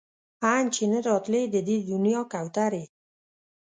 ان چې نه راتلی د دې دنيا کوترې